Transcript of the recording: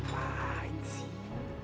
aduh ngapain sih